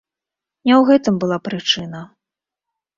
Не ў гэтым была прычына.